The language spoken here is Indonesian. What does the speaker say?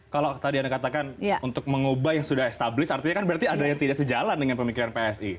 kalau tadi anda katakan untuk mengubah yang sudah established artinya kan berarti ada yang tidak sejalan dengan pemikiran psi